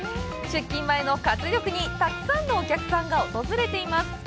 出勤前の活力にたくさんのお客さんが訪れています。